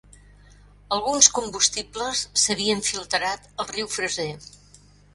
Alguns combustibles s'havien filtrat al riu Fraser.